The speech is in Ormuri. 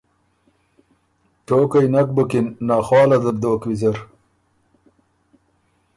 ټوقئ نک بُکِن، ناخواله ده بُو دوک ویزر“